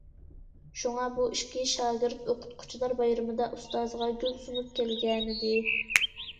شۇڭا بۇ ئىككى‹‹ شاگىرت›› ئوقۇتقۇچىلار بايرىمىدا ئۇستازىغا‹‹ گۈل›› سۇنۇپ كەلگەنىدى.